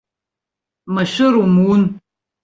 Машәыр умун!